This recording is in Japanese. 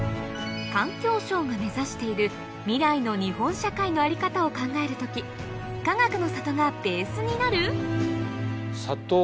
環境省が目指している未来の日本社会の在り方を考える時かがくの里がベースになる？